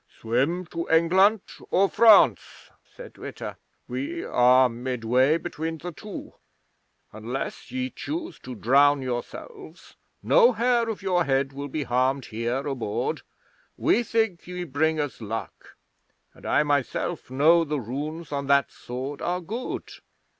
'"Swim to England or France," said Witta. "We are midway between the two. Unless ye choose to drown yourselves no hair of your head will be harmed here aboard. We think ye bring us luck, and I myself know the runes on that Sword are good."